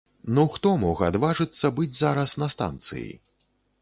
Ну хто мог адважыцца быць зараз на станцыі?